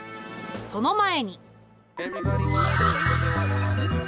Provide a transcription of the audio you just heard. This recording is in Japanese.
その前に。